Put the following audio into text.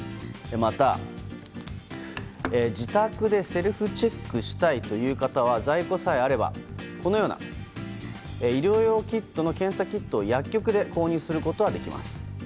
また、自宅でセルフチェックしたいという方は在庫さえあればこのような医療用キットの検査キットを薬局で購入することはできます。